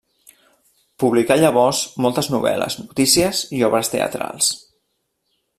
Publicà llavors moltes novel·les, notícies i obres teatrals.